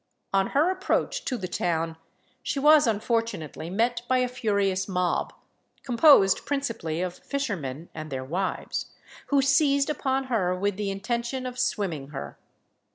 On her approach to the town she was unfortunately met by a furious mob, composed principally of fishermen and their wives, who seized upon her with the intention of swimming her.